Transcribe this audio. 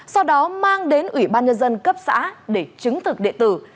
sau đó mang đến ủy ban nhân dân cấp xã để chứng thực địa tử